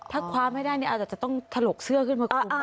ถ้าความไม่ได้อาจจะต้องถลกเสื้อขึ้นมาคลุม